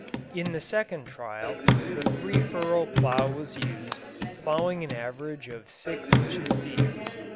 In the second trial, the 3 furrow plough was used, ploughing an average of 6 inches deep.